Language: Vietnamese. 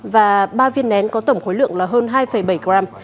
và ba viên nén có tổng khối lượng là hơn hai bảy gram